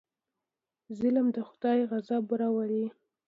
ظلم د خدای غضب راولي.